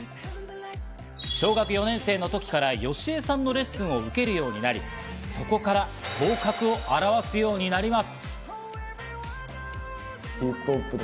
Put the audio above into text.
小学４年生の時からＹＯＳＨＩＥさんのレッスンを受けるようになり、そこから頭角を現すようになります。